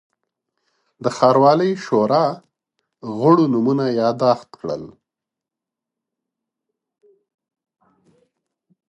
د ښاروالۍ شورا غړو نومونه یاداشت کړل.